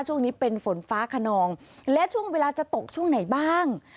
ช่วงนี้เป็นฝนฟ้าขนองและช่วงเวลาจะตกช่วงไหนบ้าง